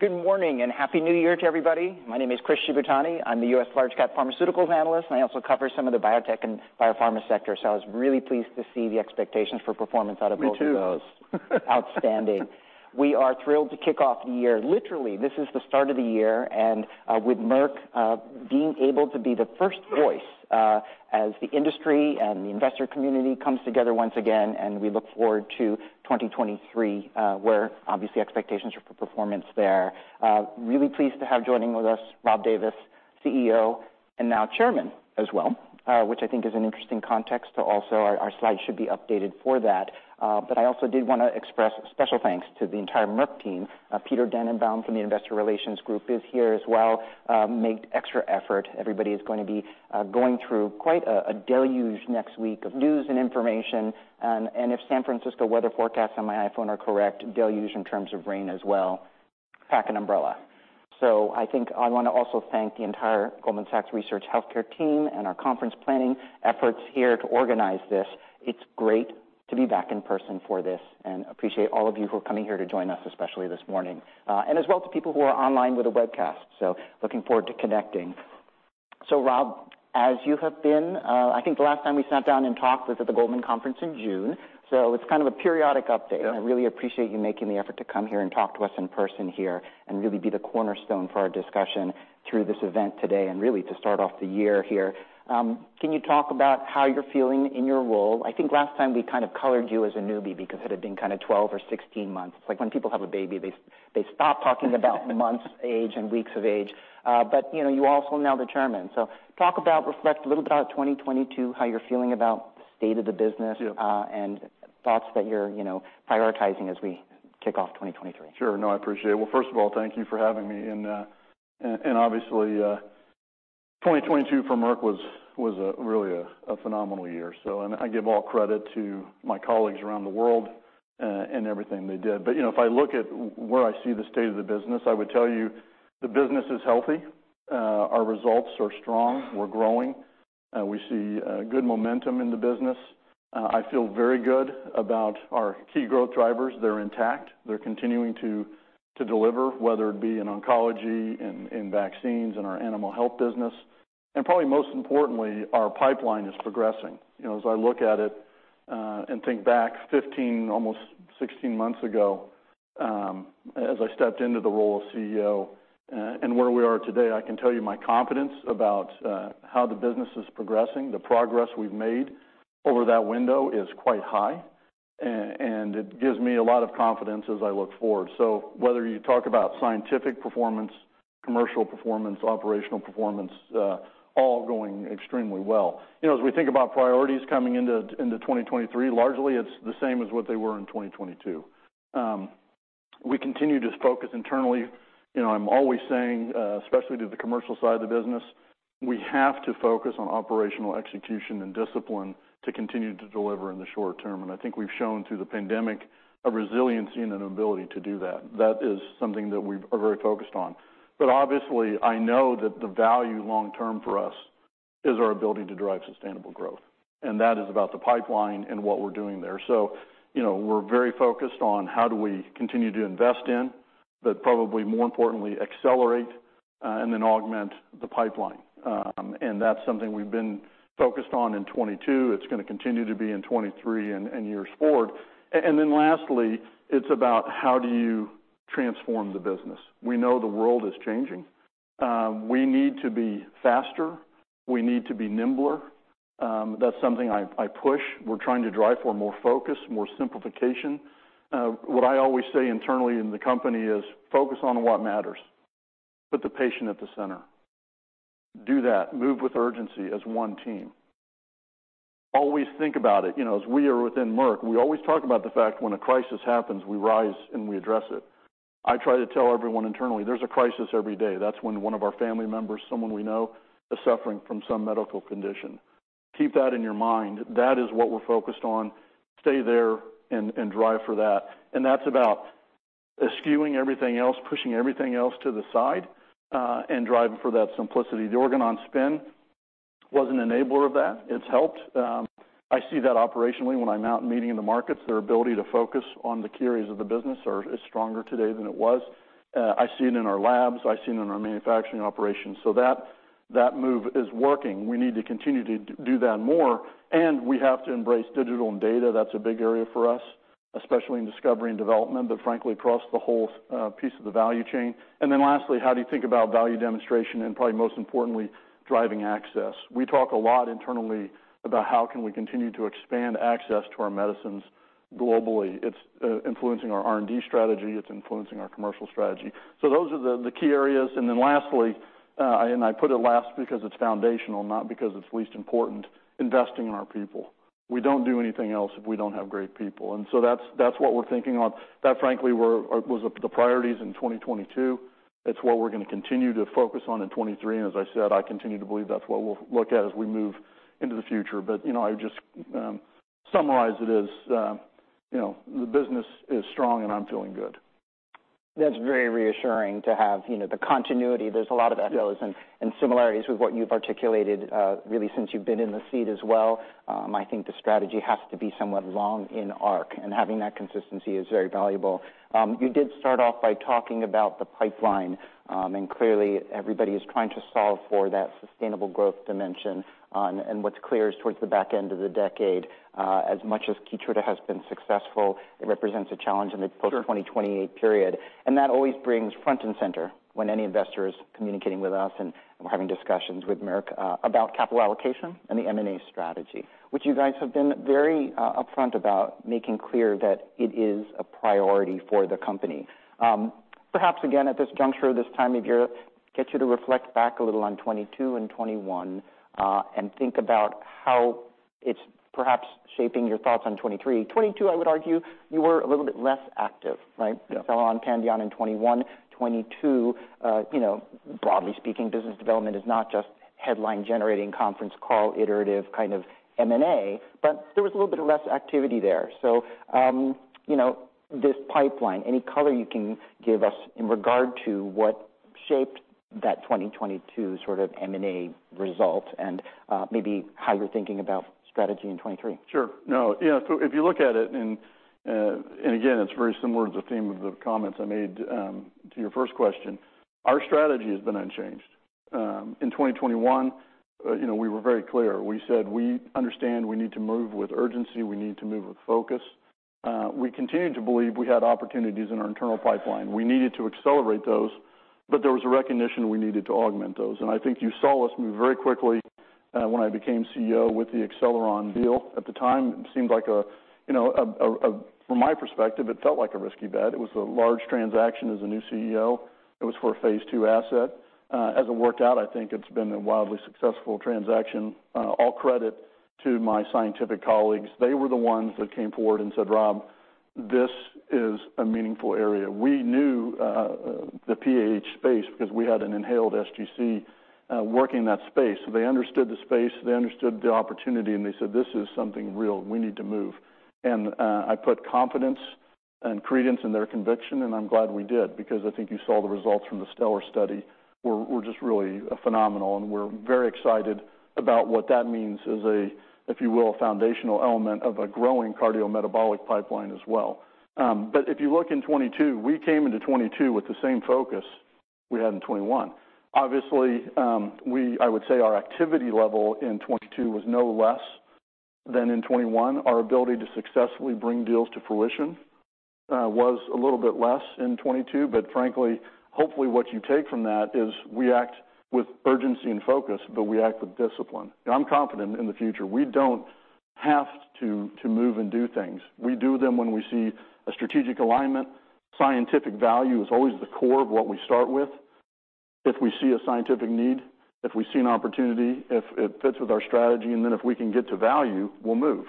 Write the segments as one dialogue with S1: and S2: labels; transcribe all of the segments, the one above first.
S1: Good morning and happy New Year to everybody. My name is Chris Shibutani. I'm the U.S. Large Cap Pharmaceuticals Analyst, and I also cover some of the biotech and biopharma sectors. I was really pleased to see the expectations for performance out of both of those.
S2: Me too.
S1: Outstanding. We are thrilled to kick off the year. Literally, this is the start of the year, with Merck being able to be the first voice as the industry and the investor community comes together once again. We look forward to 2023, where obviously expectations are for performance there. Really pleased to have joining with us Rob Davis, CEO, and now Chairman as well, which I think is an interesting context to also our slide should be updated for that. I also did wanna express special thanks to the entire Merck team. Peter Dannenbaum from the investor relations group is here as well, made extra effort. Everybody is gonna be going through quite a deluge next week of news and information, and if San Francisco weather forecasts on my iPhone are correct, deluge in terms of rain as well. Pack an umbrella. I think I wanna also thank the entire Goldman Sachs Research Healthcare team and our conference planning efforts here to organize this. It's great to be back in person for this, and appreciate all of you who are coming here to join us, especially this morning, and as well to people who are online with the webcast. Looking forward to connecting. Rob, as you have been, I think the last time we sat down and talked was at the Goldman conference in June, so it's kind of a periodic update.
S2: Yeah.
S1: I really appreciate you making the effort to come here and talk to us in person here and really be the cornerstone for our discussion through this event today and really to start off the year here. Can you talk about how you're feeling in your role? I think last time we kind of colored you as a newbie because it had been kind of 12 or 16 months. It's like when people have a baby, they stop talking about months age and weeks of age. But, you know, you also now the Chairman. Reflect a little bit about 2022, how you're feeling about state of the business-
S2: Yeah....
S1: and thoughts that you're, you know, prioritizing as we kick off 2023.
S2: Sure. No, I appreciate it. Well, first of all, thank you for having me. Obviously, 2022 for Merck was really a phenomenal year. I give all credit to my colleagues around the world and everything they did. You know, if I look at where I see the state of the business, I would tell you the business is healthy. Our results are strong. We're growing. We see good momentum in the business. I feel very good about our key growth drivers. They're intact. They're continuing to deliver, whether it be in oncology, in vaccines, in our animal health business. Probably most importantly, our pipeline is progressing. You know, as I look at it, and think back 15, almost 16 months ago, as I stepped into the role of CEO, and where we are today, I can tell you my confidence about how the business is progressing, the progress we've made over that window is quite high, and it gives me a lot of confidence as I look forward. Whether you talk about scientific performance, commercial performance, operational performance, all going extremely well. You know, as we think about priorities coming into 2023, largely it's the same as what they were in 2022. We continue to focus internally. You know, I'm always saying, especially to the commercial side of the business, we have to focus on operational execution and discipline to continue to deliver in the short term, and I think we've shown through the pandemic a resiliency and an ability to do that. That is something that we are very focused on. Obviously, I know that the value long term for us is our ability to drive sustainable growth, and that is about the pipeline and what we're doing there. You know, we're very focused on how do we continue to invest in, but probably more importantly, accelerate, and then augment the pipeline. And that's something we've been focused on in 22. It's gonna continue to be in 23 and years forward. Then lastly, it's about how do you transform the business. We know the world is changing. We need to be faster. We need to be nimbler. That's something I push. We're trying to drive for more focus, more simplification. What I always say internally in the company is focus on what matters. Put the patient at the center. Do that. Move with urgency as one team. Always think about it. You know, as we are within Merck, we always talk about the fact when a crisis happens, we rise and we address it. I try to tell everyone internally, there's a crisis every day. That's when one of our family members, someone we know, is suffering from some medical condition. Keep that in your mind. That is what we're focused on. Stay there and drive for that. That's about eschewing everything else, pushing everything else to the side, and driving for that simplicity. The Organon spin was an enabler of that. It's helped. I see that operationally when I'm out meeting in the markets, their ability to focus on the key areas of the business is stronger today than it was. I see it in our labs. I see it in our manufacturing operations. That move is working. We need to continue to do that more, and we have to embrace digital and data. That's a big area for us, especially in discovery and development, but frankly, across the whole piece of the value chain. Lastly, how do you think about value demonstration and probably most importantly, driving access? We talk a lot internally about how can we continue to expand access to our medicines globally. It's influencing our R&D strategy. It's influencing our commercial strategy. Those are the key areas. Lastly, and I put it last because it's foundational, not because it's least important, investing in our people. We don't do anything else if we don't have great people. That's what we're thinking on. That frankly was the priorities in 2022. It's what we're gonna continue to focus on in 2023, and as I said, I continue to believe that's what we'll look at as we move into the future. You know, I just summarize it as, you know, the business is strong, and I'm feeling good.
S1: That's very reassuring to have, you know, the continuity. There's a lot of echoes-
S2: Yes.
S1: ...similarities with what you've articulated, really since you've been in the seat as well. I think the strategy has to be somewhat long in arc, and having that consistency is very valuable. You did start off by talking about the pipeline, and clearly everybody is trying to solve for that sustainable growth dimension. What's clear is towards the back end of the decade, as much as KEYTRUDA has been successful, it represents a challenge in the post-2028 period. That always brings front and center when any investor is communicating with us and we're having discussions with Merck, about capital allocation and the M&A strategy, which you guys have been very upfront about making clear that it is a priority for the company. Perhaps again, at this juncture, this time of year, get you to reflect back a little on 2022 and 2021, and think about how it's perhaps shaping your thoughts on 2023. 2022, I would argue, you were a little bit less active, right?
S2: Yes.
S1: Acceleron, Pandion in 2021. 2022, you know, broadly speaking, business development is not just headline-generating conference call, iterative kind of M&A, but there was a little bit of less activity there. You know, this pipeline, any color you can give us in regard to what shaped that 2022 sort of M&A result and maybe how you're thinking about strategy in 2023.
S2: Sure. No, you know, so if you look at it, and again, it's very similar to the theme of the comments I made to your first question, our strategy has been unchanged. In 2021, you know, we were very clear. We said, we understand we need to move with urgency, we need to move with focus. We continued to believe we had opportunities in our internal pipeline. We needed to accelerate those, but there was a recognition we needed to augment those. I think you saw us move very quickly when I became CEO with the Acceleron deal. At the time, it seemed like a, you know, from my perspective, it felt like a risky bet. It was a large transaction as a new CEO. It was for a phase II asset. As it worked out, I think it's been a wildly successful transaction. All credit to my scientific colleagues. They were the ones that came forward and said, "Rob, this is a meaningful area." We knew the PAH space because we had an inhaled sGC working that space. They understood the space, they understood the opportunity, and they said, "This is something real. We need to move." I put confidence and credence in their conviction, and I'm glad we did because I think you saw the results from the STELLAR study were just really phenomenal, and we're very excited about what that means as a, if you will, a foundational element of a growing cardiometabolic pipeline as well. If you look in 2022, we came into 2022 with the same focus we had in 2021. Obviously, I would say our activity level in 2022 was no less than in 2021. Our ability to successfully bring deals to fruition, was a little bit less in 2022. Frankly, hopefully what you take from that is we act with urgency and focus, but we act with discipline. I'm confident in the future. We don't have to move and do things. We do them when we see a strategic alignment. Scientific value is always the core of what we start with. If we see a scientific need, if we see an opportunity, if it fits with our strategy, and then if we can get to value, we'll move.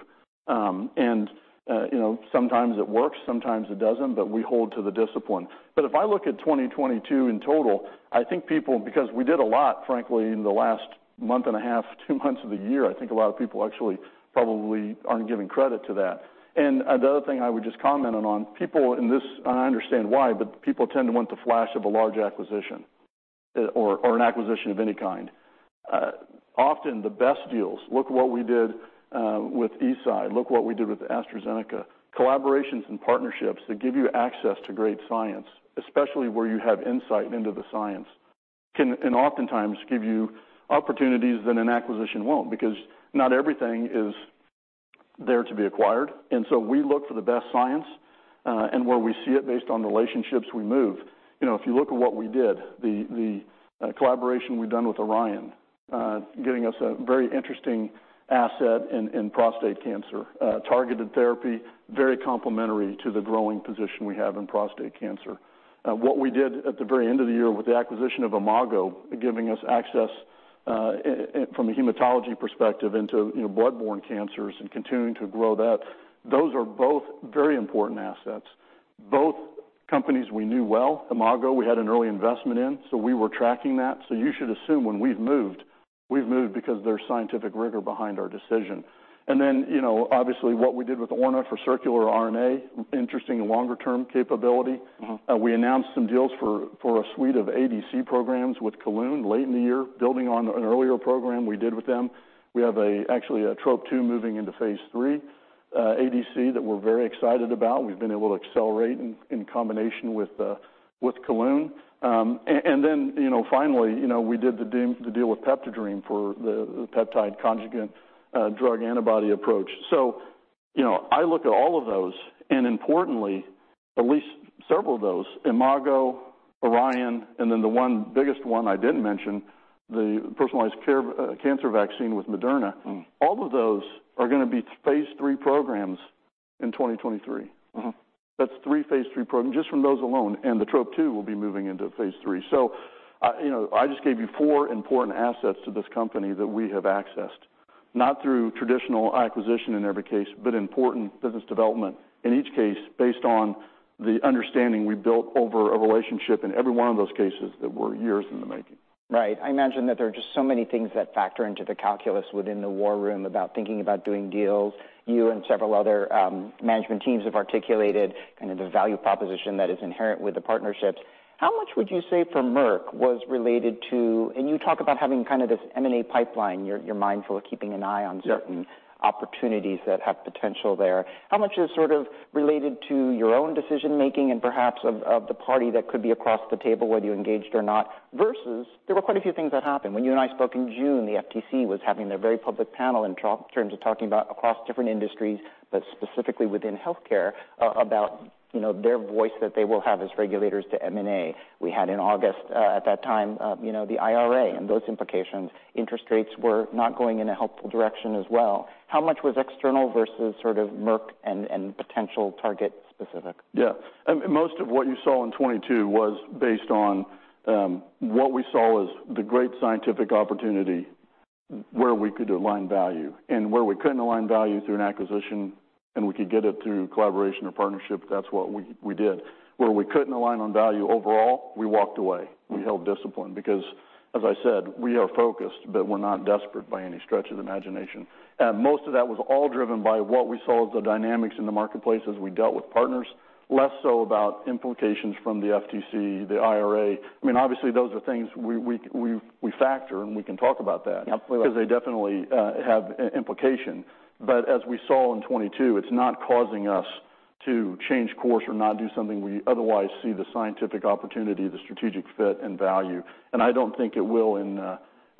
S2: You know, sometimes it works, sometimes it doesn't, but we hold to the discipline. If I look at 2022 in total, I think people because we did a lot, frankly, in the last month and a half, two months of the year, I think a lot of people actually probably aren't giving credit to that. The other thing I would just comment on, people in this. I understand why, but people tend to want the flash of a large acquisition, or an acquisition of any kind. Often the best deals, look what we did with Eisai, look what we did with AstraZeneca. Collaborations and partnerships that give you access to great science, especially where you have insight into the science, can and oftentimes give you opportunities that an acquisition won't, because not everything is there to be acquired. We look for the best science, and where we see it based on the relationships we move. You know, if you look at what we did, the collaboration we've done with Orion, getting us a very interesting asset in prostate cancer, targeted therapy, very complementary to the growing position we have in prostate cancer. What we did at the very end of the year with the acquisition of Imago, giving us access from a hematology perspective into, you know, blood-borne cancers and continuing to grow that, those are both very important assets. Both companies we knew well. Imago, we had an early investment in, we were tracking that. You should assume when we've moved, we've moved because there's scientific rigor behind our decision. You know, obviously what we did with Orna for circular RNA, interesting longer-term capability.
S1: Mm-hmm.
S2: We announced some deals for a suite of ADC programs with Kelun late in the year, building on an earlier program we did with them. We have actually a TROP-2 moving into phase III ADC that we're very excited about. We've been able to accelerate in combination with Kelun. And then, you know, finally, you know, we did the deal with PeptiDream for the peptide conjugate drug antibody approach. I look at all of those, and importantly, at least several of those, Imago, Orion, and then the one biggest one I didn't mention, the personalized cancer vaccine with Moderna-
S1: Mm-hmm....
S2: all of those are gonna be phase III programs in 2023.
S1: Mm-hmm.
S2: That's three phase III program just from those alone, and the TROP-2 will be moving into phase III. you know, I just gave you four important assets to this company that we have accessed. Not through traditional acquisition in every case, but important business development in each case based on the understanding we built over a relationship in every one of those cases that were years in the making.
S1: Right. I imagine that there are just so many things that factor into the calculus within the war room about thinking about doing deals. You and several other management teams have articulated kind of the value proposition that is inherent with the partnerships. How much would you say for Merck was and you talk about having kind of this M&A pipeline, you're mindful of keeping an eye-
S2: Yeah.
S1: ...in certain opportunities that have potential there. How much is sort of related to your own decision-making and perhaps of the party that could be across the table, whether you engaged or not, versus there were quite a few things that happened. When you and I spoke in June, the FTC was having their very public panel in talk terms of talking about across different industries, but specifically within healthcare about, you know, their voice that they will have as regulators to M&A. We had in August, at that time, you know, the IRA and those implications, interest rates were not going in a helpful direction as well. How much was external versus sort of Merck and potential target specific?
S2: Yeah. Most of what you saw in 2022 was based on what we saw as the great scientific opportunity where we could align value and where we couldn't align value through an acquisition, and we could get it through collaboration or partnership, that's what we did. Where we couldn't align on value overall, we walked away. We held discipline because as I said, we are focused, but we're not desperate by any stretch of the imagination. Most of that was all driven by what we saw as the dynamics in the marketplace as we dealt with partners, less so about implications from the FTC, the IRA. I mean, obviously, those are things we factor, and we can talk about that-
S1: Absolutely.
S2: ...because they definitely have implication. As we saw in 2022, it's not causing us to change course or not do something we otherwise see the scientific opportunity, the strategic fit and value. I don't think it will in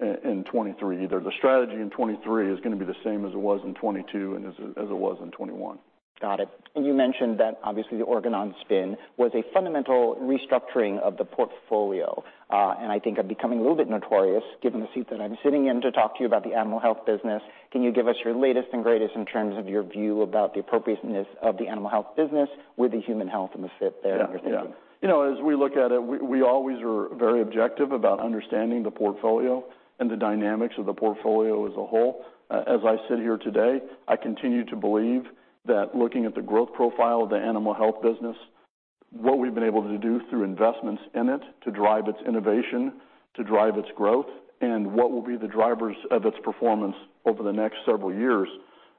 S2: 2023 either. The strategy in 2023 is gonna be the same as it was in 2022 and as it was in 2021.
S1: Got it. You mentioned that obviously the Organon spin was a fundamental restructuring of the portfolio. I think I'm becoming a little bit notorious given the seat that I'm sitting in to talk to you about the animal health business. Can you give us your latest and greatest in terms of your view about the appropriateness of the animal health business with the human health and the fit there in your thinking?
S2: Yeah. Yeah. You know, as we look at it, we always are very objective about understanding the portfolio and the dynamics of the portfolio as a whole. As I sit here today, I continue to believe that looking at the growth profile of the animal health business, what we've been able to do through investments in it to drive its innovation, to drive its growth, and what will be the drivers of its performance over the next several years,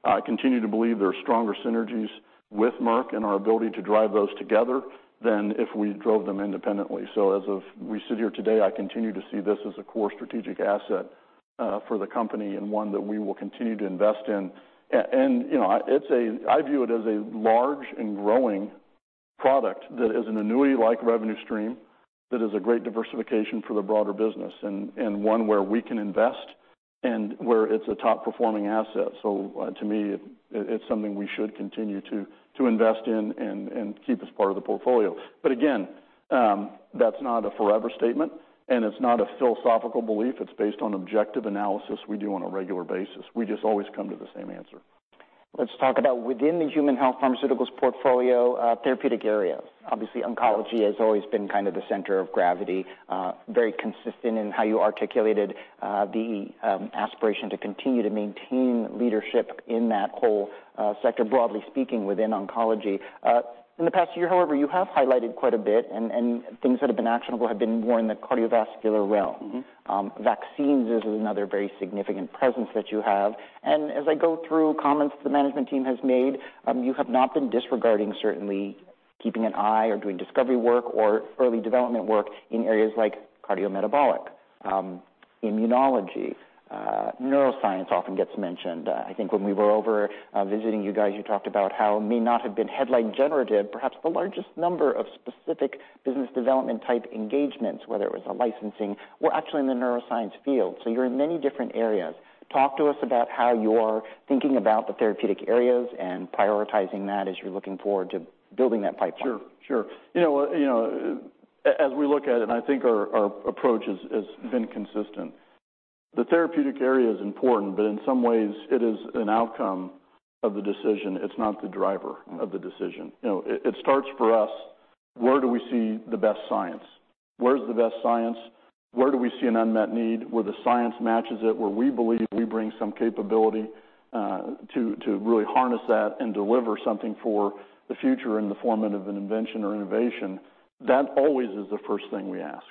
S2: I continue to believe there are stronger synergies with Merck and our ability to drive those together than if we drove them independently. As of we sit here today, I continue to see this as a core strategic asset for the company and one that we will continue to invest in. You know, I view it as a large and growing product that is an annuity-like revenue stream that is a great diversification for the broader business and one where we can invest and where it's a top-performing asset. To me it's something we should continue to invest in and keep as part of the portfolio. Again, that's not a forever statement, and it's not a philosophical belief. It's based on objective analysis we do on a regular basis. We just always come to the same answer.
S1: Let's talk about within the human health pharmaceuticals portfolio, therapeutic areas. Obviously, oncology has always been kind of the center of gravity, very consistent in how you articulated the aspiration to continue to maintain leadership in that whole sector, broadly speaking, within oncology. In the past year, however, you have highlighted quite a bit and things that have been actionable have been more in the cardiovascular realm.
S2: Mm-hmm.
S1: Vaccines is another very significant presence that you have. As I go through comments the management team has made, you have not been disregarding certainly keeping an eye or doing discovery work or early development work in areas like cardiometabolic, immunology, neuroscience often gets mentioned. I think when we were over visiting you guys, you talked about how it may not have been headline generative, perhaps the largest number of specific business development type engagements, whether it was a licensing were actually in the neuroscience field. You're in many different areas. Talk to us about how you are thinking about the therapeutic areas and prioritizing that as you're looking forward to building that pipeline.
S2: Sure. Sure. You know, you know, as we look at it, and I think our approach has been consistent, the therapeutic area is important, but in some ways it is an outcome of the decision. It's not the driver of the decision. You know, it starts for us, where do we see the best science? Where's the best science? Where do we see an unmet need where the science matches it, where we believe we bring some capability to really harness that and deliver something for the future in the form of an invention or innovation? That always is the first thing we ask.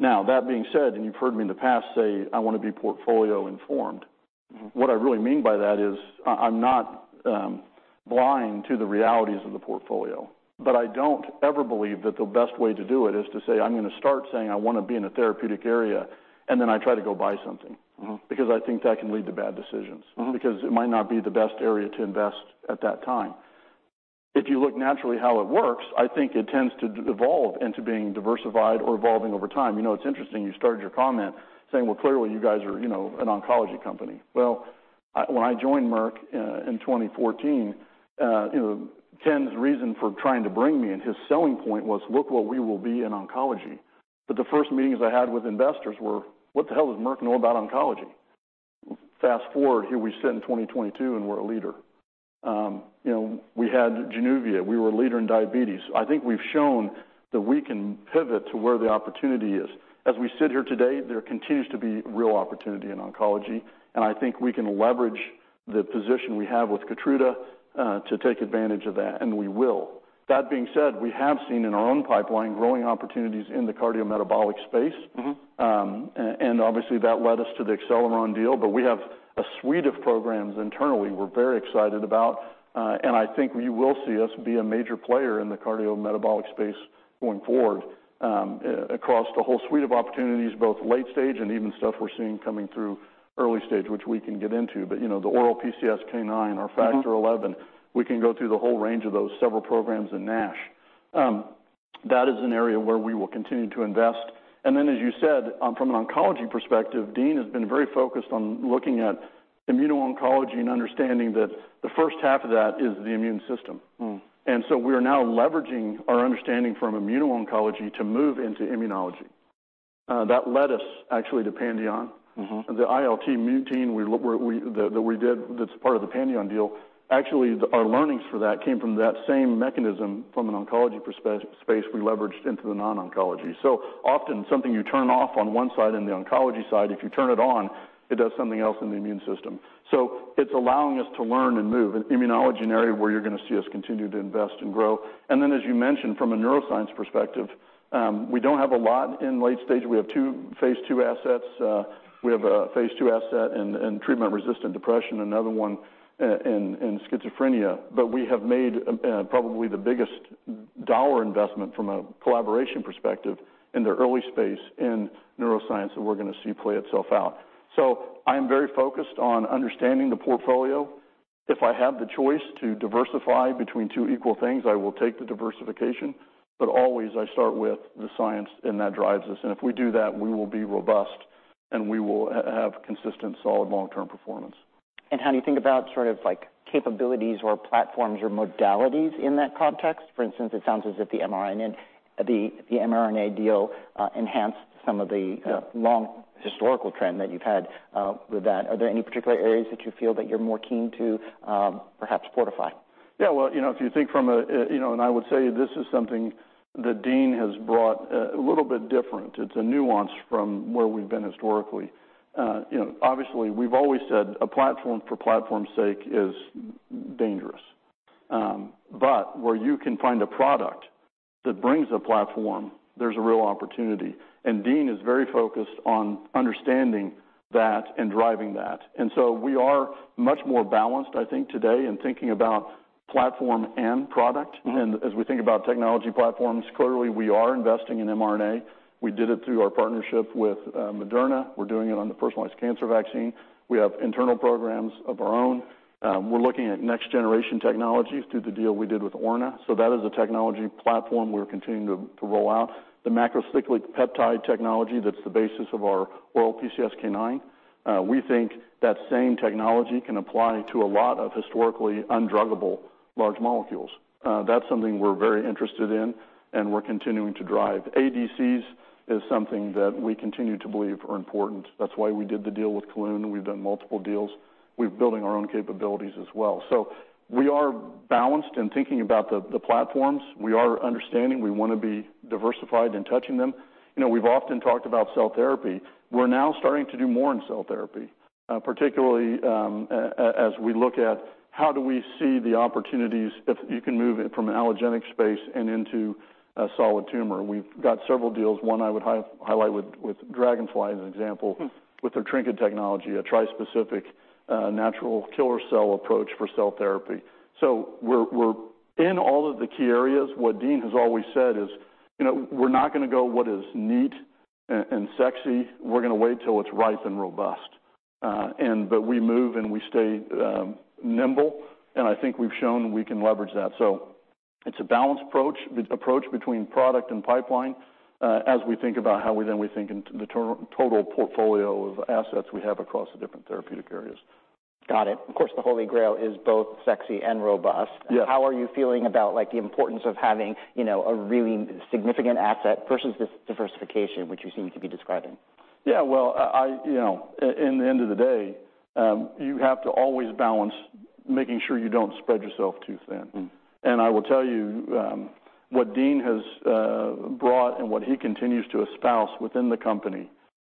S1: Mm-hmm.
S2: That being said, and you've heard me in the past say, I wanna be portfolio informed.
S1: Mm-hmm.
S2: What I really mean by that is I'm not blind to the realities of the portfolio, but I don't ever believe that the best way to do it is I'm gonna start saying I want to be in a therapeutic area, and then I try to go buy something.
S1: Mm-hmm.
S2: Because I think that can lead to bad decisions-
S1: Mm-hmm.
S2: ...because it might not be the best area to invest at that time. If you look naturally how it works, I think it tends to evolve into being diversified or evolving over time. You know, it's interesting you started your comment saying, "Well, clearly you guys are, you know, an oncology company." Well, I when I joined Merck, in 2014, you know, Ken's reason for trying to bring me and his selling point was, "Look what we will be in oncology." The first meetings I had with investors were, "What the hell does Merck know about oncology?" Fast forward, here we sit in 2022 and we're a leader. You know, we had JANUVIA, we were a leader in diabetes. I think we've shown that we can pivot to where the opportunity is. As we sit here today, there continues to be real opportunity in oncology, and I think we can leverage the position we have with KEYTRUDA, to take advantage of that, and we will. That being said, we have seen in our own pipeline growing opportunities in the cardiometabolic space.
S1: Mm-hmm.
S2: Obviously, that led us to the Acceleron deal, but we have a suite of programs internally we're very excited about. I think you will see us be a major player in the cardiometabolic space going forward, across the whole suite of opportunities, both late stage and even stuff we're seeing coming through early stage, which we can get into. You know, the oral PCSK9 or Factor XI, we can go through the whole range of those several programs in NASH. That is an area where we will continue to invest. Then, as you said, from an oncology perspective, Dean has been very focused on looking at immuno-oncology and understanding that the first half of that is the immune system.
S1: Mm.
S2: We are now leveraging our understanding from immuno-oncology to move into immunology. That led us actually to Pandion.
S1: Mm-hmm.
S2: The IL-2 mutein that we did that's part of the Pandion deal, actually, our learnings for that came from that same mechanism from an oncology space we leveraged into the non-oncology. Often something you turn off on one side, in the oncology side, if you turn it on, it does something else in the immune system. It's allowing us to learn and move. Immunology an area where you're gonna see us continue to invest and grow. As you mentioned, from a neuroscience perspective, we don't have a lot in late stage. We have two phase II assets. We have a phase II asset in treatment-resistant depression, another one in schizophrenia. We have made, probably the biggest dollar investment from a collaboration perspective in the early space in neuroscience that we're gonna see play itself out. I am very focused on understanding the portfolio. If I have the choice to diversify between two equal things, I will take the diversification. Always I start with the science, and that drives us. If we do that, we will be robust, and we will have consistent, solid long-term performance.
S1: How do you think about sort of like capabilities or platforms or modalities in that context? For instance, it sounds as if the mRNA deal enhanced some of the long historical trend that you've had with that. Are there any particular areas that you feel that you're more keen to perhaps fortify?
S2: Yeah. Well, you know, if you think from a, you know, I would say this is something that Dean has brought a little bit different. It's a nuance from where we've been historically. You know, obviously, we've always said a platform for platform's sake is dangerous. Where you can find a product that brings a platform, there's a real opportunity. Dean is very focused on understanding that and driving that. We are much more balanced, I think, today in thinking about platform and product.
S1: Mm-hmm.
S2: As we think about technology platforms, clearly we are investing in mRNA. We did it through our partnership with Moderna. We're doing it on the personalized cancer vaccine. We have internal programs of our own. We're looking at next-generation technologies through the deal we did with Orna. That is a technology platform we're continuing to roll out. The macrocyclic peptide technology that's the basis of our oral PCSK9, we think that same technology can apply to a lot of historically undruggable large molecules. That's something we're very interested in and we're continuing to drive. ADCs is something that we continue to believe are important. That's why we did the deal with Kelun-Biotech. We've done multiple deals. We're building our own capabilities as well. We are balanced in thinking about the platforms. We are understanding. We wanna be diversified in touching them. You know, we've often talked about cell therapy. We're now starting to do more in cell therapy, particularly as we look at how do we see the opportunities if you can move it from an allogeneic space and into a solid tumor. We've got several deals. One I would highlight with Dragonfly as an example, with their TriNKET technology, a tri-specific natural killer cell approach for cell therapy. We're in all of the key areas. What Dean has always said is, you know, we're not gonna go what is neat and sexy. We're gonna wait till it's ripe and robust. We move, and we stay nimble, and I think we've shown we can leverage that. It's a balanced approach between product and pipeline, as we think about how we then think in the total portfolio of assets we have across the different therapeutic areas.
S1: Got it. Of course, the Holy Grail is both sexy and robust.
S2: Yes.
S1: How are you feeling about, like, the importance of having, you know, a really significant asset versus this diversification, which you seem to be describing?
S2: Yeah. Well, I, you know, at the end of the day, you have to always balance making sure you don't spread yourself too thin.
S1: Mm.
S2: I will tell you, what Dean has brought and what he continues to espouse within the company,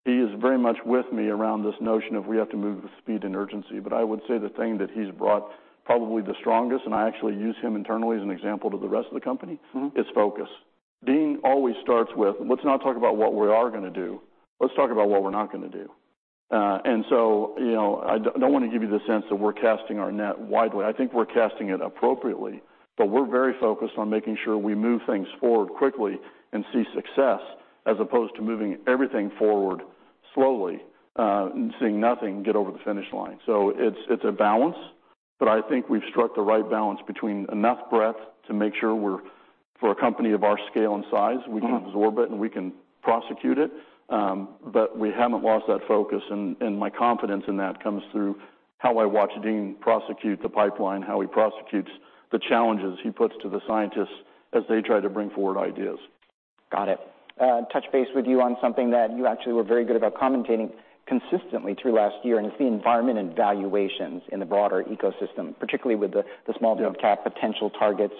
S2: he is very much with me around this notion of we have to move with speed and urgency. I would say the thing that he's brought probably the strongest, and I actually use him internally as an example to the rest of the company-
S1: Mm-hmm...
S2: is focus. Dean always starts with, "Let's not talk about what we are gonna do. Let's talk about what we're not gonna do." you know, I don't wanna give you the sense that we're casting our net widely. I think we're casting it appropriately, but we're very focused on making sure we move things forward quickly and see success as opposed to moving everything forward slowly, and seeing nothing get over the finish line. It's, it's a balance, but I think we've struck the right balance between enough breadth to make sure we're, for a company of our scale and size-
S1: Mm-hmm.
S2: ...we can absorb it and we can prosecute it. We haven't lost that focus, and my confidence in that comes through how I watch Dean prosecute the pipeline, how he prosecutes the challenges he puts to the scientists as they try to bring forward ideas.
S1: Got it. touch base with you on something that you actually were very good about commentating consistently through last year, and it's the environment and valuations in the broader ecosystem, particularly with the small-
S2: Yeah....
S1: mid-cap potential targets,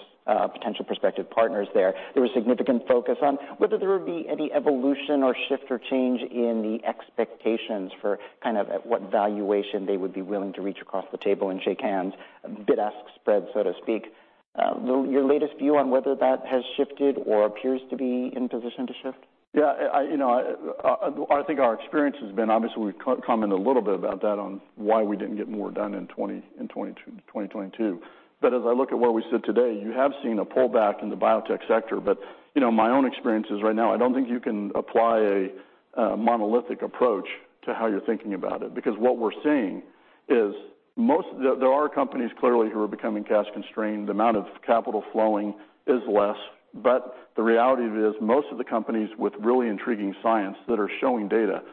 S1: potential prospective partners there. There was significant focus on whether there would be any evolution or shift or change in the expectations for kind of at what valuation they would be willing to reach across the table and shake hands, bid-ask spread, so to speak. Your latest view on whether that has shifted or appears to be in position to shift?
S2: Yeah, you know, I think our experience has been, obviously we've co-commented a little bit about that on why we didn't get more done in 2022. As I look at where we sit today, you have seen a pullback in the biotech sector. You know, my own experience is right now I don't think you can apply a monolithic approach to how you're thinking about it because what we're seeing is most. There are companies clearly who are becoming cash constrained. The amount of capital flowing is less. The reality of it is most of the companies with really intriguing science that are showing data,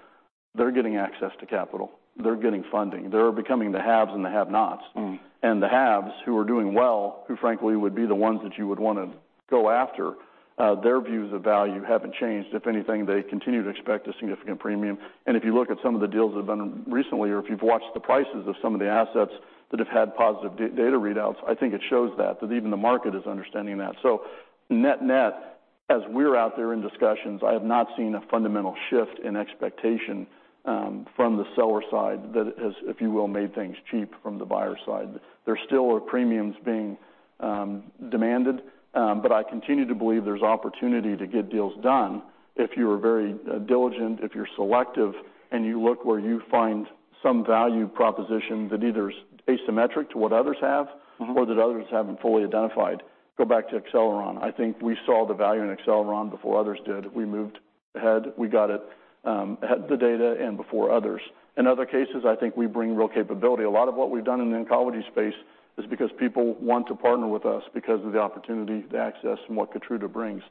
S2: they're getting access to capital, they're getting funding. There are becoming the haves and the have-nots.
S1: Mm.
S2: The haves who are doing well, who frankly would be the ones that you would wanna go after, their views of value haven't changed. If anything, they continue to expect a significant premium. If you look at some of the deals that have been recently or if you've watched the prices of some of the assets that have had positive data readouts, I think it shows that even the market is understanding that. Net-net, as we're out there in discussions, I have not seen a fundamental shift in expectation from the seller side that has, if you will, made things cheap from the buyer side. There still are premiums being demanded, but I continue to believe there's opportunity to get deals done if you are very diligent, if you're selective, and you look where you find some value proposition that either is asymmetric to what others have-
S1: Mm-hmm.
S2: ...or that others haven't fully identified. Go back to Acceleron. I think we saw the value in Acceleron before others did. We moved ahead. We got it, had the data in before others. In other cases, I think we bring real capability. A lot of what we've done in the oncology space is because people want to partner with us because of the opportunity, the access, and what KEYTRUDA brings.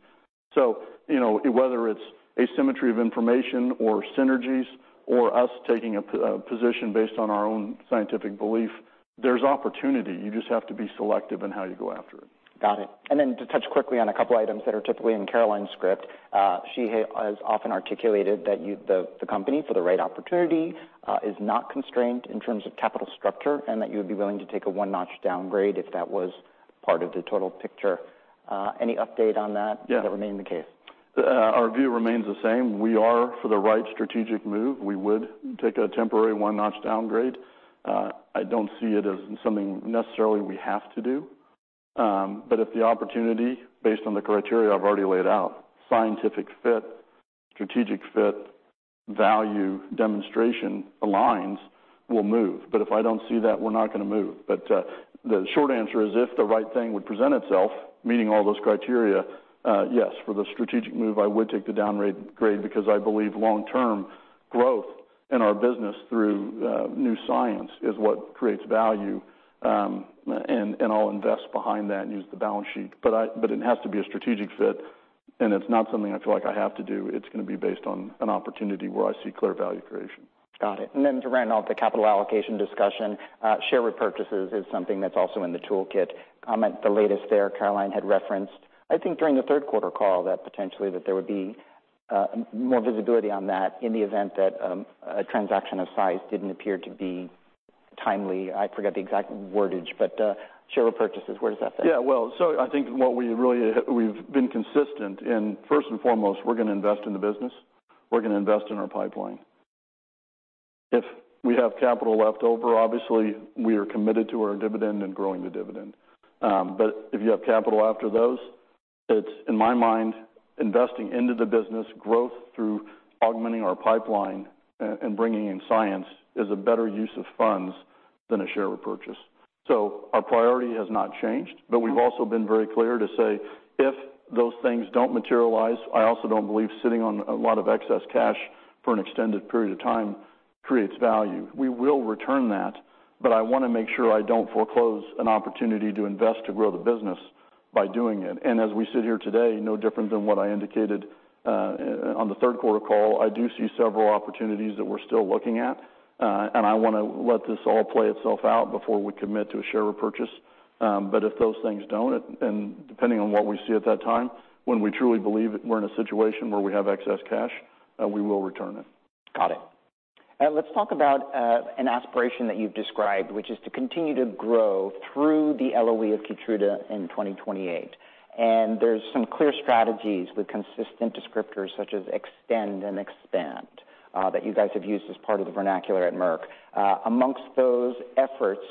S2: You know, whether it's asymmetry of information or synergies or us taking a position based on our own scientific belief, there's opportunity. You just have to be selective in how you go after it.
S1: Got it. To touch quickly on a couple items that are typically in Caroline's script, she has often articulated that the company for the right opportunity, is not constrained in terms of capital structure and that you would be willing to take a one-notch downgrade if that was part of the total picture. Any update on that?
S2: Yeah.
S1: Does that remain the case?
S2: Our view remains the same. We are for the right strategic move, we would take a temporary one-notch downgrade. I don't see it as something necessarily we have to do. If the opportunity based on the criteria I've already laid out, scientific fit, strategic fit, value demonstration aligns, we'll move. If I don't see that, we're not gonna move. The short answer is if the right thing would present itself, meeting all those criteria, yes, for the strategic move, I would take the down rate-grade because I believe long-term growth in our business through new science is what creates value, and I'll invest behind that and use the balance sheet. It has to be a strategic fit, and it's not something I feel like I have to do. It's gonna be based on an opportunity where I see clear value creation.
S1: Got it. To round off the capital allocation discussion, share repurchases is something that's also in the toolkit. Comment the latest there Caroline had referenced, I think during the third quarter call that potentially that there would be more visibility on that in the event that a transaction of size didn't appear to be timely. I forget the exact wordage, but share repurchases, where does that fit?
S2: Yeah. Well, I think we've been consistent in first and foremost, we're gonna invest in the business. We're gonna invest in our pipeline. If we have capital left over, obviously we are committed to our dividend and growing the dividend. If you have capital after those, it's in my mind, investing into the business growth through augmenting our pipeline and bringing in science is a better use of funds than a share repurchase. Our priority has not changed-
S1: Mm-hmm.
S2: ...but we've also been very clear to say if those things don't materialize, I also don't believe sitting on a lot of excess cash for an extended period of time creates value. We will return that, but I wanna make sure I don't foreclose an opportunity to invest to grow the business by doing it. As we sit here today, no different than what I indicated on the third quarter call, I do see several opportunities that we're still looking at, and I wanna let this all play itself out before we commit to a share repurchase. If those things don't, and depending on what we see at that time, when we truly believe we're in a situation where we have excess cash, we will return it.
S1: Got it. Let's talk about an aspiration that you've described, which is to continue to grow through the LOE of KEYTRUDA in 2028. There's some clear strategies with consistent descriptors such as extend and expand that you guys have used as part of the vernacular at Merck. Amongst those efforts,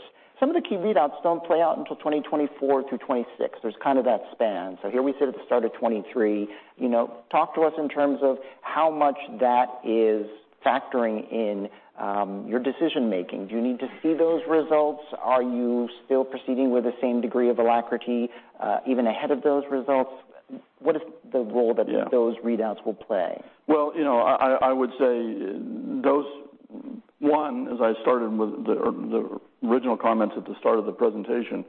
S1: some of the key readouts don't play out until 2024-2026. There's kind of that span. Here we sit at the start of 2023. You know, talk to us in terms of how much that is factoring in your decision-making. Do you need to see those results? Are you still proceeding with the same degree of alacrity even ahead of those result? What is the role that-
S2: Yeah....
S1: those readouts will play?
S2: Well, you know, I would say those. One, as I started with the original comments at the start of the presentation,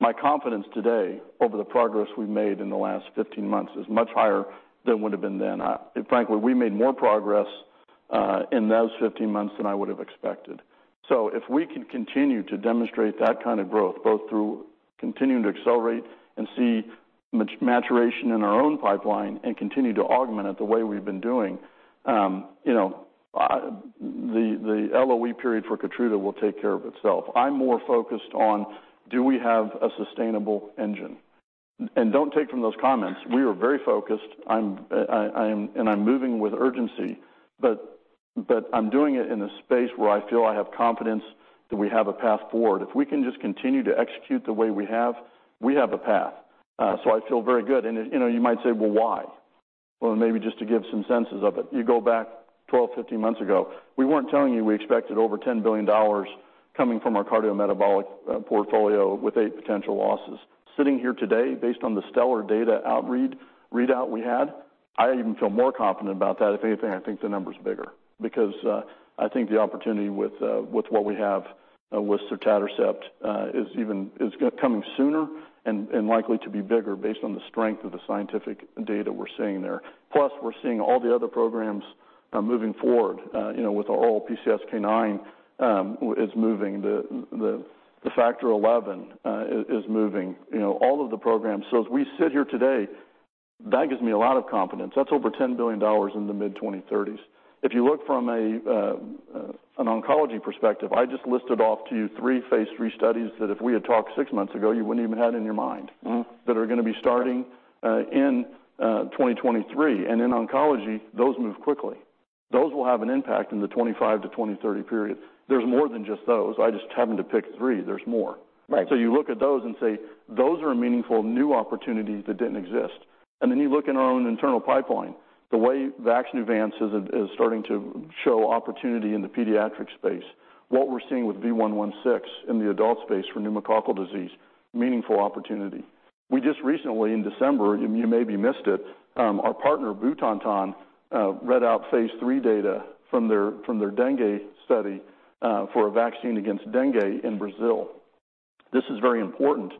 S2: my confidence today over the progress we've made in the last 15 months is much higher than would've been then. Frankly, we made more progress in those 15 months than I would have expected. If we can continue to demonstrate that kind of growth, both through continuing to accelerate and see maturation in our own pipeline and continue to augment it the way we've been doing, you know, the LOE period for KEYTRUDA will take care of itself. I'm more focused on do we have a sustainable engine? Don't take from those comments, we are very focused. I am and I'm moving with urgency, but I'm doing it in a space where I feel I have confidence that we have a path forward. If we can just continue to execute the way we have, we have a path. I feel very good. You know, you might say, "Well, why?" Well, maybe just to give some senses of it. You go back 12, 15 months ago, we weren't telling you we expected over $10 billion coming from our cardiometabolic portfolio with eight potential losses. Sitting here today, based on the STELLAR data readout we had, I even feel more confident about that. If anything, I think the number's bigger because, I think the opportunity with what we have with WINREVAIR is coming sooner and likely to be bigger based on the strength of the scientific data we're seeing there. Plus, we're seeing all the other programs moving forward, you know, with all PCSK9 is moving, the Factor XI is moving, you know, all of the programs. As we sit here today, that gives me a lot of confidence. That's over $10 billion in the mid-2030s. If you look from an oncology perspective, I just listed off to you three phase III studies that if we had talked six months ago, you wouldn't even had in your mind-
S1: Mm-hmm.
S2: ...that are gonna be starting, in 2023. In oncology, those move quickly. Those will have an impact in the 2025-2030 period. There's more than just those. I just happened to pick three. There's more.
S1: Right.
S2: You look at those and say, those are meaningful new opportunities that didn't exist. You look in our own internal pipeline, the way VAXNEUVANCE is starting to show opportunity in the pediatric space. What we're seeing with CAPVAXIVE in the adult space for pneumococcal disease, meaningful opportunity. We just recently, in December, you maybe missed it, our partner, Butantan, read out phase III data from their dengue study for a vaccine against dengue in Brazil. This is very important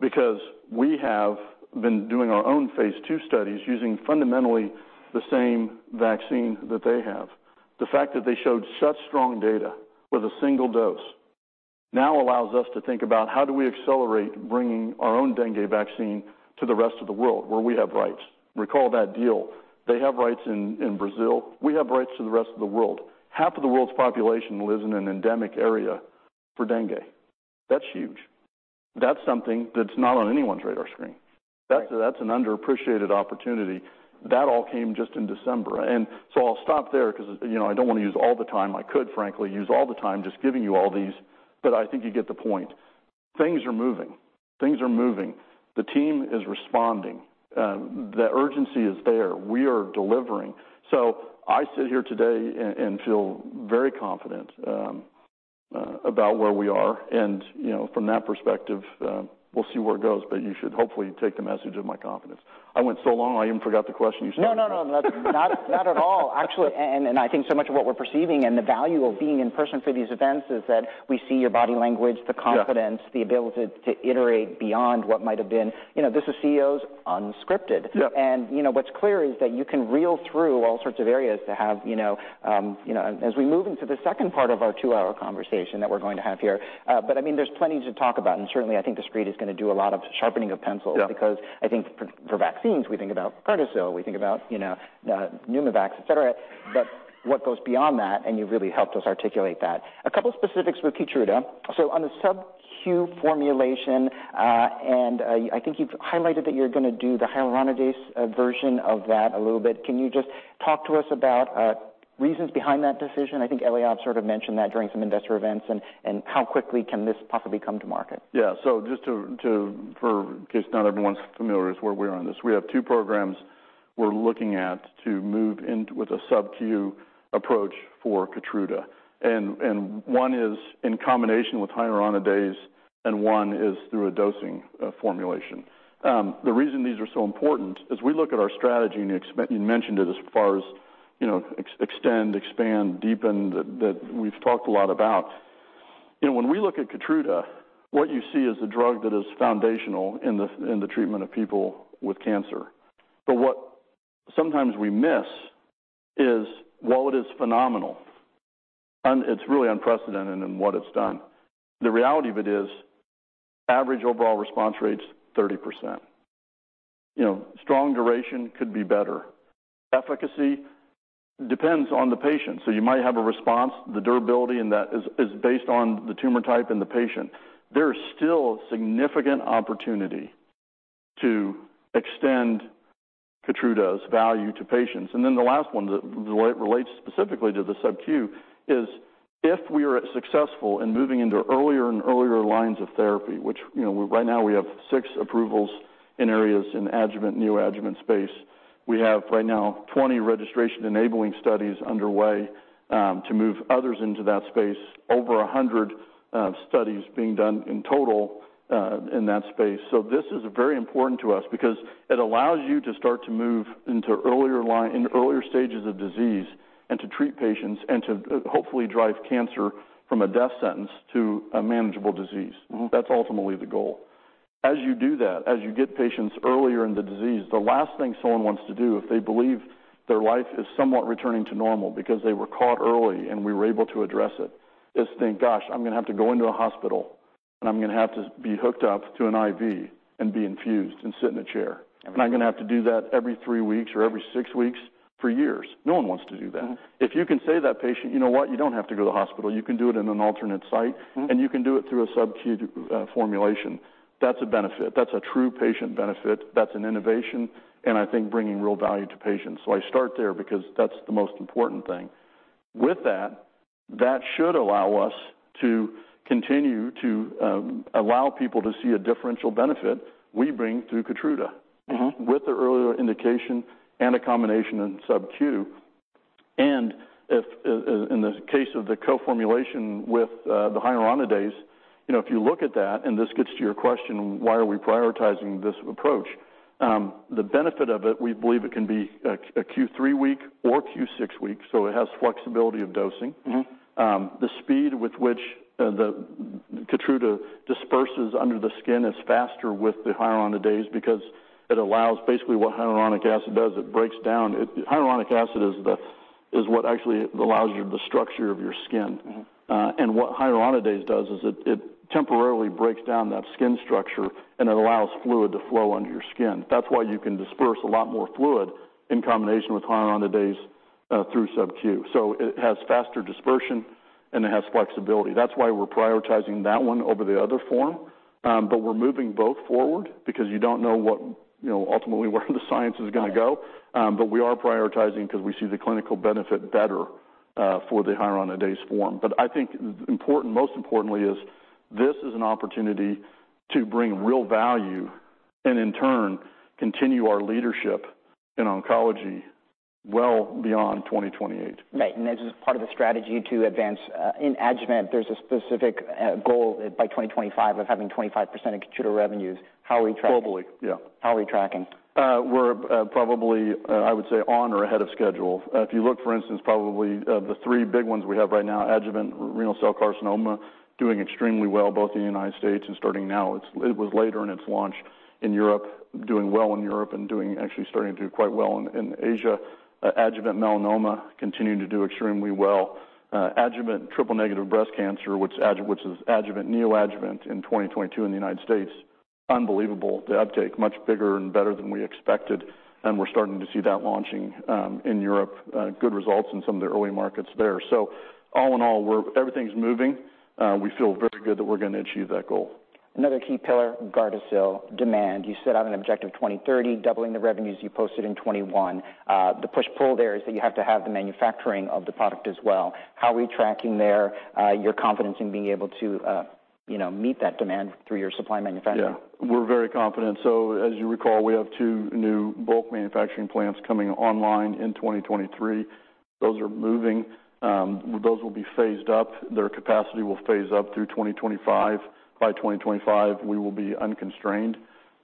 S2: because we have been doing our own phase II studies using fundamentally the same vaccine that they have. The fact that they showed such strong data with a single dose now allows us to think about how do we accelerate bringing our own dengue vaccine to the rest of the world where we have rights. Recall that deal. They have rights in Brazil. We have rights to the rest of the world. Half of the world's population lives in an endemic area for dengue. That's huge. That's something that's not on anyone's radar screen.
S1: Right.
S2: That's an underappreciated opportunity. That all came just in December. I'll stop there 'cause, you know, I don't wanna use all the time. I could, frankly, use all the time just giving you all these, but I think you get the point. Things are moving. Things are moving. The team is responding. The urgency is there. We are delivering. I sit here today and feel very confident about where we are. you know, from that perspective, we'll see where it goes, but you should hopefully take the message of my confidence. I went so long, I even forgot the question you started with.
S1: No, no. Not at all, actually. I think so much of what we're perceiving and the value of being in person for these events is that we see your body language-
S2: Yeah.
S1: ...the confidence, the ability to iterate beyond what might have been. You know, this is CEOs Unscripted.
S2: Yeah.
S1: You know, what's clear is that you can reel through all sorts of areas to have, you know. As we move into the second part of our two-hour conversation that we're going to have here, but I mean, there's plenty to talk about, and certainly, I think Discret is gonna do a lot of sharpening of pencils.
S2: Yeah.
S1: I think for vaccines, we think about GARDASIL, we think about, you know, PNEUMOVAX, et cetera. What goes beyond that, and you've really helped us articulate that. A couple specifics with KEYTRUDA. On the subQ formulation, and I think you've highlighted that you're gonna do the hyaluronidase version of that a little bit. Can you just talk to us about reasons behind that decision? I think Eliav sort of mentioned that during some investor events, and how quickly can this possibly come to market?
S2: Just to for in case not everyone's familiar is where we are on this. We have two programs we're looking at to move in with a subQ approach for KEYTRUDA. One is in combination with hyaluronidase, and one is through a dosing formulation. The reason these are so important, as we look at our strategy, and you mentioned it as far as, you know, extend, expand, deepen, that we've talked a lot about. You know, when we look at KEYTRUDA, what you see is a drug that is foundational in the, in the treatment of people with cancer. What sometimes we miss is while it is phenomenal, it's really unprecedented in what it's done, the reality of it is average overall response rate's 30%. You know, strong duration could be better. Efficacy depends on the patient. You might have a response. The durability in that is based on the tumor type and the patient. There is still significant opportunity to extend KEYTRUDA's value to patients. The last one that relates specifically to the subQ is if we are successful in moving into earlier and earlier lines of therapy, which, you know, right now we have six approvals in areas in adjuvant, neo-adjuvant space. We have right now 20 registration-enabling studies underway to move others into that space. Over 100 studies being done in total in that space. This is very important to us because it allows you to start to move into earlier stages of disease and to treat patients and to hopefully drive cancer from a death sentence to a manageable disease.
S1: Mm-hmm.
S2: That's ultimately the goal. As you do that, as you get patients earlier in the disease, the last thing someone wants to do if they believe their life is somewhat returning to normal because they were caught early and we were able to address it, is think, "Gosh, I'm gonna have to go into a hospital, and I'm gonna have to be hooked up to an IV and be infused and sit in a chair. I'm gonna have to do that every three weeks or every six weeks for years." No one wants to do that. If you can say to that patient, "You know what? You don't have to go to the hospital. You can do it in an alternate site, and you can do it through a sub-Q formulation," that's a benefit. That's a true patient benefit. That's an innovation, and I think bringing real value to patients. I start there because that's the most important thing. With that should allow us to continue to, allow people to see a differential benefit we bring through KEYTRUDA-
S1: Mm-hmm.
S2: ...with the earlier indication and a combination in subQ. If in the case of the co-formulation with the hyaluronidase, you know, if you look at that, and this gets to your question, why are we prioritizing this approach? The benefit of it, we believe it can be a Q3 week or Q6 week, so it has flexibility of dosing.
S1: Mm-hmm.
S2: The speed with which the KEYTRUDA disperses under the skin is faster with the hyaluronidase because it allows. Basically, what hyaluronic acid does, Hyaluronic acid is what actually allows you the structure of your skin.
S1: Mm-hmm.
S2: What hyaluronidase does is it temporarily breaks down that skin structure, and it allows fluid to flow under your skin. That's why you can disperse a lot more fluid in combination with hyaluronidase, through sub-Q. It has faster dispersion, and it has flexibility. That's why we're prioritizing that one over the other form. We're moving both forward because you don't know what, you know, ultimately, where the science is gonna go. We are prioritizing because we see the clinical benefit better, for the hyaluronidase form. I think most importantly is this is an opportunity to bring real value and in turn, continue our leadership in oncology well beyond 2028.
S1: Right. This is part of the strategy to advance, in adjuvant. There's a specific, goal by 2025 of having 25% of Keytruda revenues. How are we tracking?
S2: Globally, yeah.
S1: How are we tracking?
S2: We're probably, I would say, on or ahead of schedule. If you look, for instance, probably, the three big ones we have right now, adjuvant renal cell carcinoma doing extremely well, both in the United States and starting now. It was later in its launch in Europe, doing well in Europe and actually starting to do quite well in Asia. Adjuvant melanoma continuing to do extremely well. Adjuvant triple-negative breast cancer, which is adjuvant, neoadjuvant in 2022 in the United States, unbelievable. The uptake much bigger and better than we expected, and we're starting to see that launching in Europe. Good results in some of the early markets there. All in all, everything's moving. We feel very good that we're gonna achieve that goal.
S1: Another key pillar, GARDASIL demand. You set out an objective 2030, doubling the revenues you posted in 2021. The push-pull there is that you have to have the manufacturing of the product as well. How are we tracking there? Your confidence in being able to, you know, meet that demand through your supply manufacturing.
S2: Yeah. We're very confident. As you recall, we have two new bulk manufacturing plants coming online in 2023. Those are moving. Those will be phased up. Their capacity will phase up through 2025. By 2025, we will be unconstrained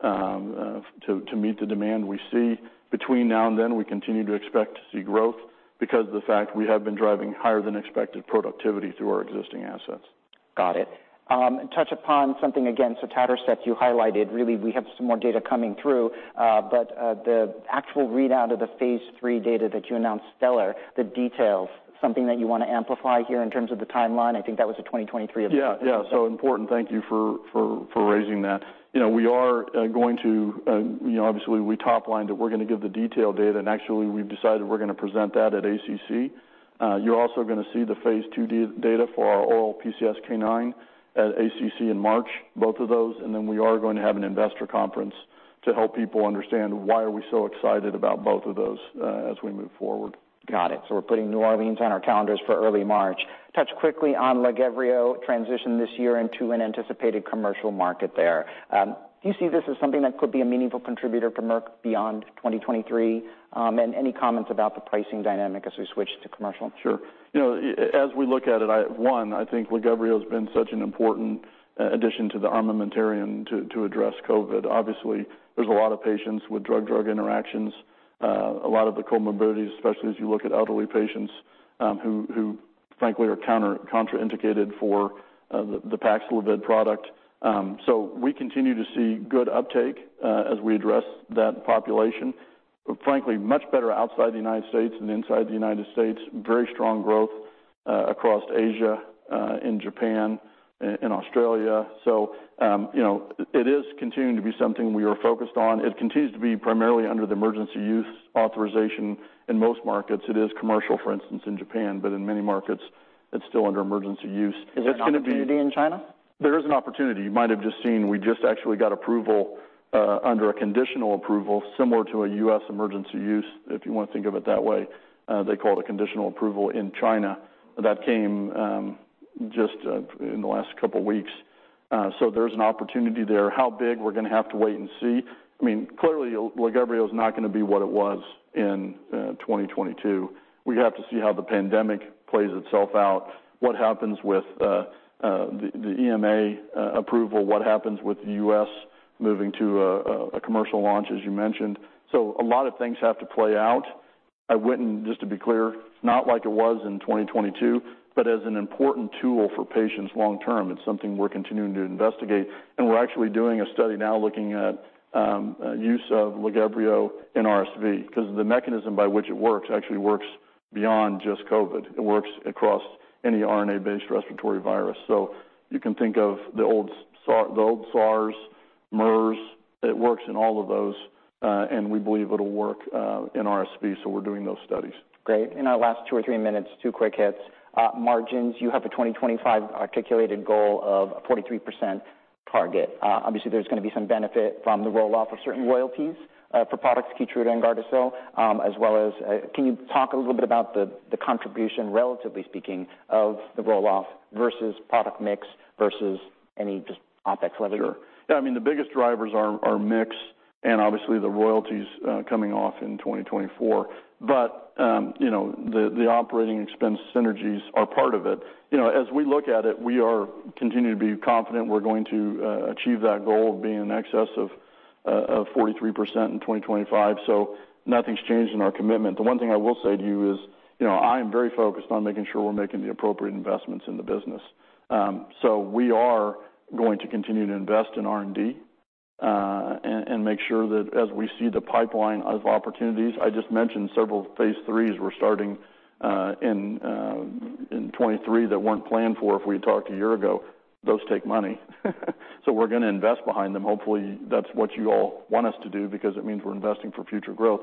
S2: to meet the demand we see. Between now and then, we continue to expect to see growth because of the fact we have been driving higher than expected productivity through our existing assets.
S1: Got it. Touch upon something, again, sotatercept, you highlighted, really, we have some more data coming through, the actual readout of the phase III data that you announced, STELLAR. The details, something that you wanna amplify here in terms of the timeline? I think that was a 2023 observation.
S2: Yeah. Yeah. Important. Thank you for raising that. You know, we are going to, you know, obviously, we top-lined it. We're going to give the detailed data, and actually, we've decided we're going to present that at ACC. You're also going to see the phase II data for our oral PCSK9 at ACC in March, both of those. Then we are going to have an investor conference to help people understand why are we so excited about both of those as we move forward.
S1: Got it. We're putting New Orleans on our calendars for early March. Touch quickly on Lagevrio transition this year into an anticipated commercial market there. Do you see this as something that could be a meaningful contributor for Merck beyond 2023? Any comments about the pricing dynamic as we switch to commercial?
S2: Sure. You know, as we look at it, One, I think Lagevrio has been such an important addition to the armamentarium to address COVID. Obviously, there's a lot of patients with drug-drug interactions, a lot of the comorbidities, especially as you look at elderly patients, who frankly are contraindicated for the Paxlovid product. We continue to see good uptake as we address that population. Frankly, much better outside the United States than inside the United States. Very strong growth across Asia, in Japan, in Australia. You know, it is continuing to be something we are focused on. It continues to be primarily under the emergency use authorization in most markets. It is commercial, for instance, in Japan, in many markets it's still under emergency use.
S1: Is there an opportunity in China?
S2: There is an opportunity. You might have just seen, we just actually got approval, under a conditional approval similar to a US emergency use, if you wanna think of it that way. They call it a conditional approval in China. That came, just in the last couple weeks. There's an opportunity there. How big? We're gonna have to wait and see. I mean, clearly, Lagevrio is not gonna be what it was in 2022. We have to see how the pandemic plays itself out, what happens with the EMA approval, what happens with the US moving to a commercial launch, as you mentioned. A lot of things have to play out. I wouldn't, just to be clear, not like it was in 2022, but as an important tool for patients long term. It's something we're continuing to investigate, and we're actually doing a study now looking at use of clesrovimab in RSV because the mechanism by which it works actually works beyond just COVID. It works across any RNA-based respiratory virus. You can think of the old SARS, MERS. It works in all of those, and we believe it'll work in RSV, so we're doing those studies.
S1: Great. In our last 2 or 3 minutes, 2 quick hits. margins, you have a 2025 articulated goal of 43% target. obviously, there's gonna be some benefit from the roll-off of certain royalties, for products KEYTRUDA and GARDASIL, as well as, can you talk a little bit about the contribution, relatively speaking, of the roll-off versus product mix versus any just OpEx leverage?
S2: Sure. Yeah, I mean, the biggest drivers are mix and obviously the royalties coming off in 2024. You know, the operating expense synergies are part of it. You know, as we look at it, we are continuing to be confident we're going to achieve that goal of being in excess of 43% in 2025, so nothing's changed in our commitment. The one thing I will say to you is, you know, I am very focused on making sure we're making the appropriate investments in the business. We are going to continue to invest in R&D and make sure that as we see the pipeline of opportunities. I just mentioned several phase IIIs we're starting in 2023 that weren't planned for if we had talked a year ago. Those take money. We're gonna invest behind them. Hopefully, that's what you all want us to do because it means we're investing for future growth.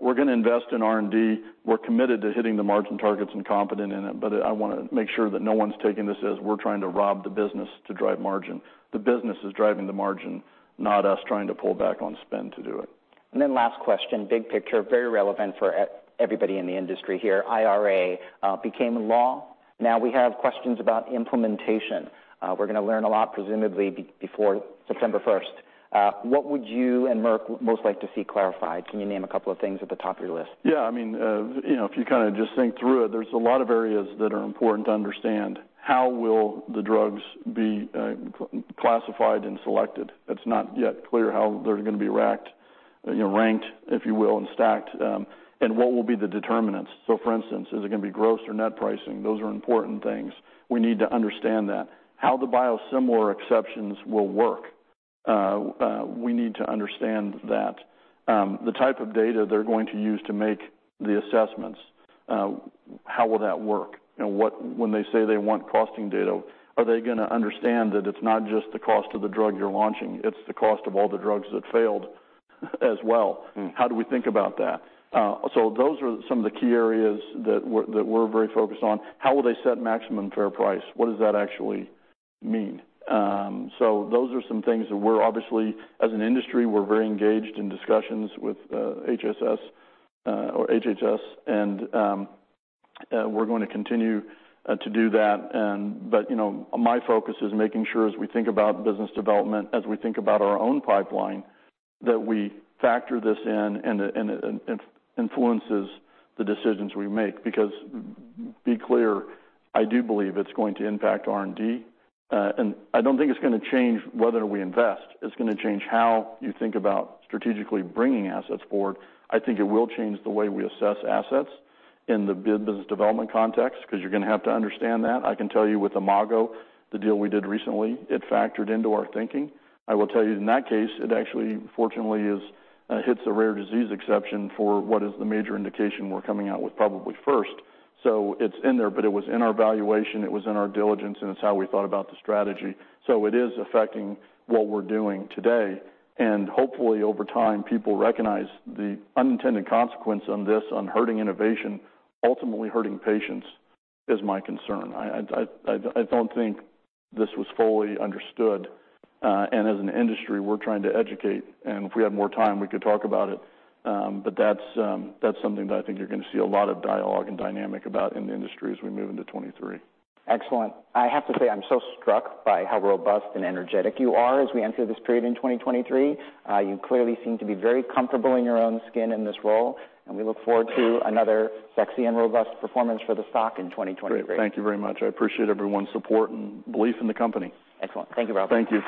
S2: We're gonna invest in R&D. I wanna make sure that no one's taking this as we're trying to rob the business to drive margin. The business is driving the margin, not us trying to pull back on spend to do it.
S1: Last question, big picture, very relevant for everybody in the industry here. IRA became a law. Now we have questions about implementation. We're gonna learn a lot presumably before September first. What would you and Merck most like to see clarified? Can you name a couple of things at the top of your list?
S2: Yeah, I mean, you know, if you kinda just think through it, there's a lot of areas that are important to understand. How will the drugs be classified and selected? It's not yet clear how they're gonna be racked, you know, ranked, if you will, and stacked. What will be the determinants? For instance, is it gonna be gross or net pricing? Those are important things. We need to understand that. How the biosimilar exceptions will work, we need to understand that. The type of data they're going to use to make the assessments, how will that work? When they say they want costing data, are they gonna understand that it's not just the cost of the drug you're launching, it's the cost of all the drugs that failed as well?
S1: Mm.
S2: How do we think about that? Those are some of the key areas that we're very focused on. How will they set Maximum Fair Price? What does that actually mean? Those are some things that we're obviously, as an industry, we're very engaged in discussions with HHS, and we're going to continue to do that. You know, my focus is making sure as we think about business development, as we think about our own pipeline, that we factor this in and it influences the decisions we make. Because be clear, I do believe it's going to impact R&D, and I don't think it's gonna change whether we invest. It's gonna change how you think about strategically bringing assets forward. I think it will change the way we assess assets in the bid business development context 'cause you're gonna have to understand that. I can tell you with Imago, the deal we did recently, it factored into our thinking. I will tell you, in that case, it actually fortunately is, hits a rare disease exception for what is the major indication we're coming out with probably first. It's in there, but it was in our valuation, it was in our diligence, and it's how we thought about the strategy. It is affecting what we're doing today. Hopefully over time, people recognize the unintended consequence on this, on hurting innovation, ultimately hurting patients, is my concern. I don't think this was fully understood. As an industry, we're trying to educate, and if we had more time, we could talk about it. That's something that I think you're gonna see a lot of dialogue and dynamic about in the industry as we move into 2023.
S1: Excellent. I have to say, I'm so struck by how robust and energetic you are as we enter this period in 2023. You clearly seem to be very comfortable in your own skin in this role, and we look forward to another sexy and robust performance for the stock in 2023.
S2: Great. Thank you very much. I appreciate everyone's support and belief in the company.
S1: Excellent. Thank you, Rob.
S2: Thank you.